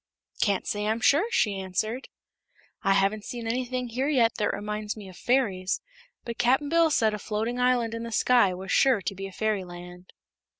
"Can't say, I'm sure," she answered. "I haven't seen anything here yet that reminds me of fairies; but Cap'n Bill said a floating island in the sky was sure to be a fairyland."